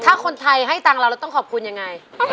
ถ้าคนไทยให้ตังค์เราเราต้องขอบคุณยังไง